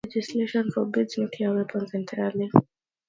Legislation forbids nuclear weapons entirely.